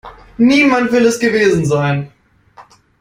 Niemand will es gewesen sein.